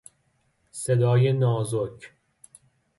صدای نازک